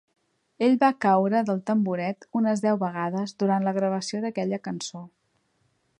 Ell va caure del tamboret unes deu vegades durant la gravació d'aquella cançó.